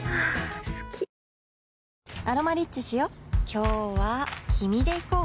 今日は君で行こう